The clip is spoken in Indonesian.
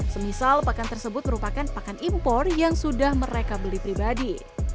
semisal pakan tersebut merupakan pakan impor yang sudah mereka beli pribadi